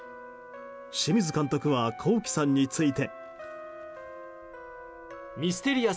清水監督はＫｏｋｉ，さんについて。